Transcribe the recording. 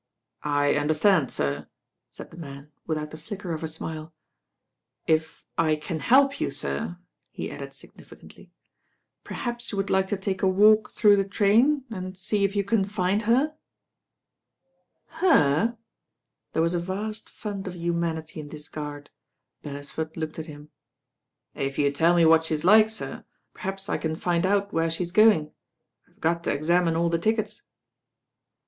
"I understand, sir," said the man without the flicker of a smile. "If I can help you, sir," he added significantly, "perhaps you would like to take a walk through the train and see if you can find her." "Herl" There was a vast fund of humanity in this guard. Beresford looked at him. "If you tell me what she is like, sir, perhaps I can find out where she's going. I've got to examine all the tickets."